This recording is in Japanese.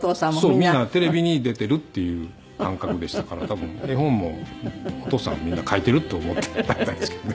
みんなテレビに出ているっていう感覚でしたから多分絵本もお父さんはみんな描いていると思っていたみたいですけどね。